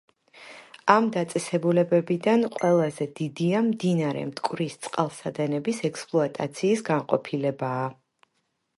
ამ დაწესებულებებიდან ყველაზე დიდია მდინარე მტკვრის წყალსადენების ექსპლუატაციის განყოფილებაა.